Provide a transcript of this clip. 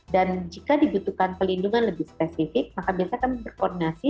dan jika dibutuhkan pelindungan lebih spesifik maka biasanya kami berkoordinasi